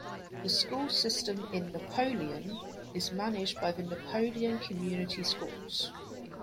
The school system in Napoleon is managed by the Napoleon Community Schools.